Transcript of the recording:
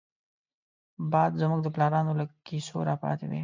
باد زمونږ د پلارانو له کيسو راپاتې دی